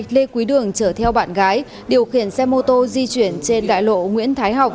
lê quý đường chở theo bạn gái điều khiển xe mô tô di chuyển trên đại lộ nguyễn thái học